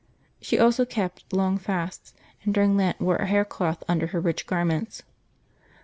She also kept long fasts, and during Lent wore a hair cloth under her rich garments.